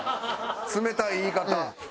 冷たい言い方。